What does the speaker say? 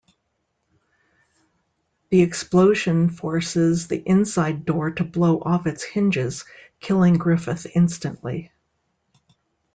The explosion forces the inside door to blow off its hinges, killing Griffith instantly.